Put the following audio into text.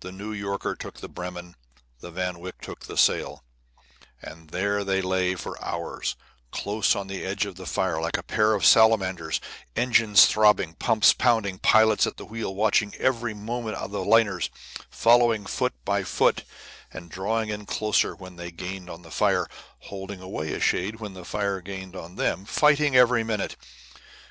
The New Yorker took the Bremen, the Van Wyck took the Saale; and there they lay for hours, close on the edge of the fire, like a pair of salamanders, engines throbbing, pumps pounding, pilots at the wheel watching every movement of the liners, following foot by foot, drawing in closer when they gained on the fire, holding away a shade when the fire gained on them, fighting every minute.